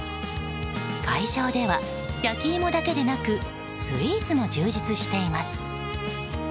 会場では、焼き芋だけでなくスイーツも充実しています。